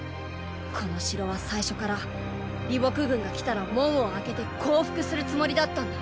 この城は最初から李牧軍が来たら門を開けて降伏するつもりだったんだ。